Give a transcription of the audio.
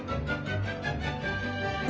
お！